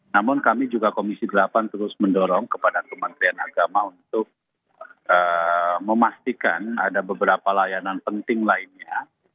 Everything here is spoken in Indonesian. namun kami juga komisi delapan terus mendorong kepada kementerian agama untuk memastikan ada beberapa layanan penting lainnya